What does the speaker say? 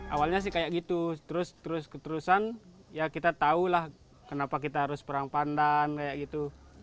awalnya sih kayak gitu terus terusan ya kita tahulah kenapa kita harus perang pandan kayak gitu